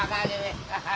ハハハハッ。